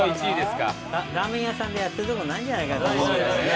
ラーメン屋さんでやってるとこないんじゃないかと思うんだよね。